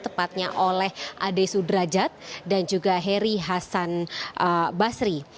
tepatnya oleh ade sudrajat dan juga heri hasan basri